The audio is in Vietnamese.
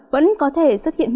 vẫn có thể xuất hiện mưa